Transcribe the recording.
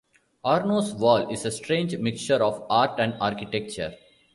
Arno's wall is a strange mixture of art and architecture.